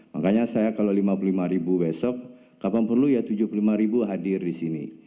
makanya saya kalau lima puluh lima ribu besok kapan perlu ya tujuh puluh lima ribu hadir di sini